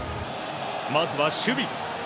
まずは守備。